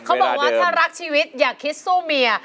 เขาบอกว่าถ้ารักชีวิตอย่าคิดสู้เมีย